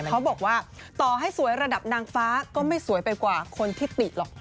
เขาบอกว่าต่อให้สวยระดับนางฟ้าก็ไม่สวยไปกว่าคนที่ติหรอก